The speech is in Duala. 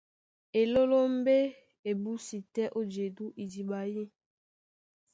Elólómbé é búsi tɛ́ ó jedú idiɓa yî.